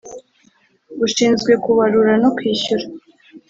ushinzwe kubarura no kwishyura